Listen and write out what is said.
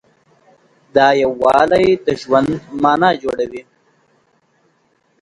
دا یووالی د ژوند معنی جوړوي.